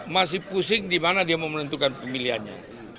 masih pusing di mana dia mau menentukan pemilihannya